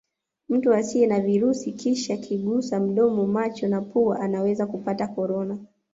Mtu asiye na virusi na kisha kujigusa mdomo macho na pua anaweza kupata Corona